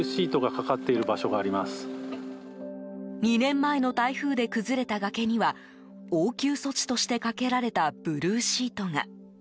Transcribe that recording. ２年前の台風で崩れた崖には応急措置としてかけられたブルーシートが。